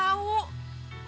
kan ujang juga tahu